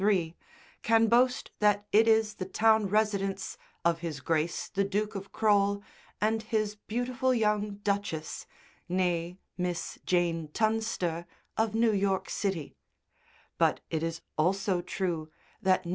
3, can boast that it is the town residence of His Grace the Duke of Crole and his beautiful young Duchess, née Miss Jane Tunster of New York City, but it is also true that No.